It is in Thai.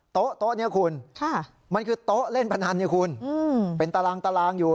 โต๊ะนี้คุณมันคือโต๊ะเล่นพนันเนี่ยคุณเป็นตารางตารางอยู่